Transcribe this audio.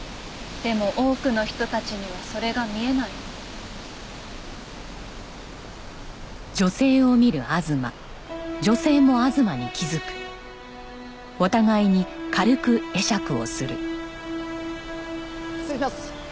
「でも多くの人たちにはそれが見えないの」失礼します。